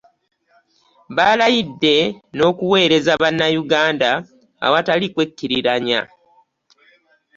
Balayidde n'okuweereza bannayuganda awatali kwekkiririranya